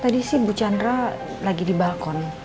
tadi sih bu chandra lagi di balkon